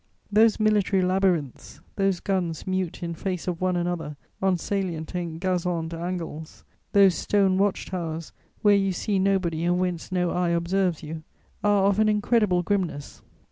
Those military labyrinths, those guns mute in face of one another on salient and gazoned angles, those stone watch towers, where you see nobody and whence no eye observes you, are of an incredible grimness.